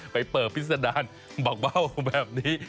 ไปเปิบพิสดาบักเบ้าแบบนี้